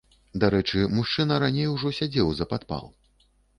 Дарэчы, мужчына раней ужо сядзеў за падпал.